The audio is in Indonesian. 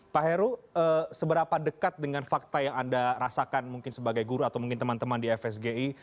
pak heru seberapa dekat dengan fakta yang anda rasakan mungkin sebagai guru atau mungkin teman teman di fsgi